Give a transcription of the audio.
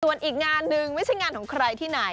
ส่วนอีกงานหนึ่งไม่ใช่งานของใครที่ไหน